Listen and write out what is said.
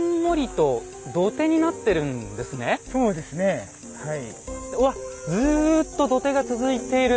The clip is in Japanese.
そうですねはい。